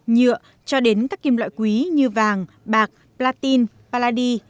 nhựa cho đến các kim loại quý như vàng bạc pratin paladi